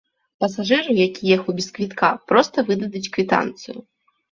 Пасажыру, які ехаў без квітка, проста выдадуць квітанцыю.